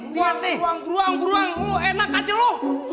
beruang beruang beruang lo enak aja lo